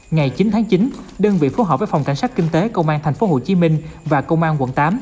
ngày chín tháng chín đơn vị phối hợp với phòng cảnh sát kinh tế công an tp hcm và công an quận tám